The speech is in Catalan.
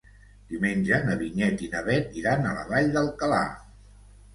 Diumenge na Vinyet i na Bet iran a la Vall d'Alcalà.